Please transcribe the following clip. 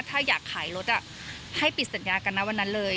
ถ้าอยากขายรถให้ปิดสัญญากันนะวันนั้นเลย